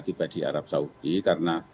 tiba di arab saudi karena